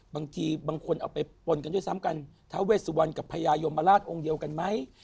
บางทีบางคนเอาไปปนกันด้วยซ้ำกันท้าเวสุวรรณกับพญายมราชองค์เดียวกันไหม